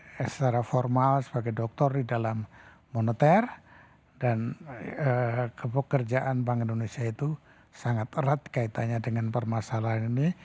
jadi secara formal sebagai doktor di dalam moneter dan pekerjaan bank indonesia itu sangat erat kaitannya dengan permasalahan ini